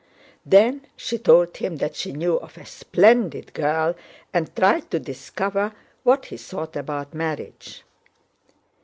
Then she told him that she knew of a splendid girl and tried to discover what he thought about marriage.